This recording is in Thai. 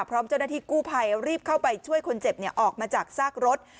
พร้อมเจ้าหน้าที่กู้ภัยรีบเข้าไปช่วยคนเจ็บออกมาจากซากรถ